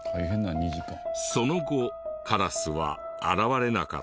その後カラスは現れなかった。